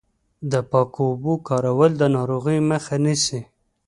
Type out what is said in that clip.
د پاکو اوبو کارول د ناروغیو مخه نیسي.